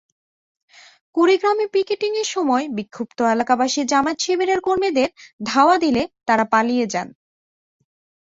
কুড়িগ্রামে পিকেটিংয়ের সময় বিক্ষুব্ধ এলাকাবাসী জামায়াত-শিবিরের কর্মীদের ধাওয়া দিলে তাঁরা পালিয়ে যান।